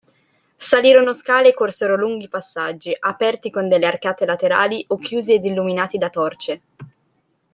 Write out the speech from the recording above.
Salirono scale e corsero lunghi passaggi, aperti con delle arcate laterali o chiusi ed illuminati da torce.